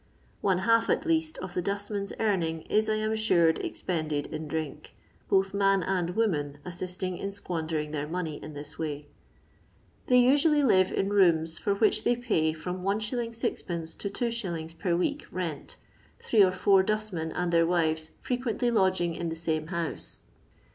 One half, at least, of the dustmen's earnings, is, I am assured, expended in drink, both man and woman assisting in Squandering their money in this way. They usually live in rooms for which they Say from 1<. 6<{. to 2«. per week rent, three orfour ust men and their wives frequently lodging in the same house.